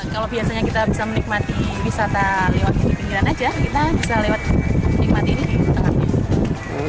kalau biasanya kita bisa menikmati wisata lewat pinggiran aja kita bisa lewat nikmat ini di tengah tengah